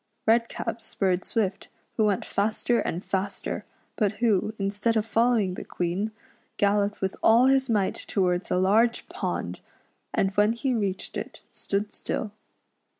Redcap spurred Swift, who went faster and faster, but who, instead of following tlie Queen, galloped with all his might towards a large pond ; and when he reached it stood still.